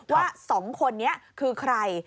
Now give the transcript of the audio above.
ว่า๒คนนี้คือใคร